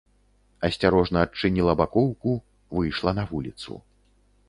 Асцярожна адчыніла бакоўку, выйшла на вуліцу.